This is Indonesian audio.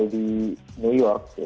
kalau di new york gitu